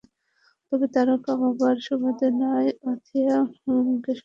তবে তারকা বাবার সুবাদে নয়, আথিয়া-সোনমকে মেলানো হচ্ছে তাঁদের ব্যতিক্রম ফ্যাশনের জন্য।